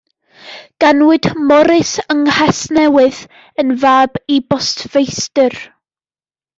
Ganwyd Morris yng Nghasnewydd, yn fab i bostfeistr.